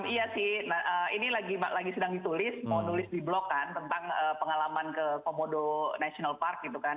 iya sih ini lagi sedang ditulis mau nulis di blokan tentang pengalaman ke komodo national park gitu kan